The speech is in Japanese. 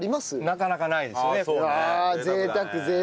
なかなかないですねやっぱね。